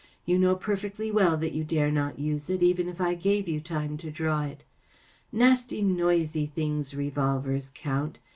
*' You know perfectly well that you dare not use it, even if I gave you time to draw it. Nasty, noisy things, revolvers, Count.